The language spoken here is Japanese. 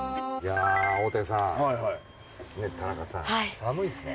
大竹さん田中さん寒いっすね。